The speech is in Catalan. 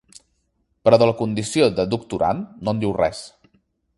Però de la condició de doctorand, no en diu res.